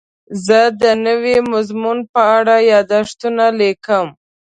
زه د نوي مضمون په اړه یادښتونه لیکم.